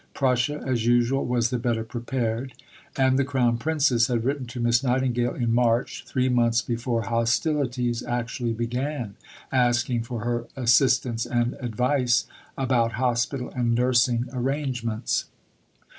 Prussia, as usual, was the better prepared, and the Crown Princess had written to Miss Nightingale in March (three months before hostilities actually began) asking for her assistance and advice about hospital and nursing arrangements.